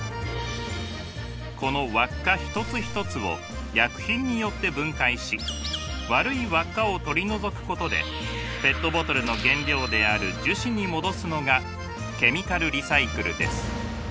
この輪っか一つ一つを薬品によって分解し悪い輪っかを取り除くことでペットボトルの原料である樹脂に戻すのがケミカルリサイクルです。